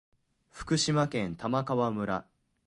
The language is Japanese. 福島県玉川村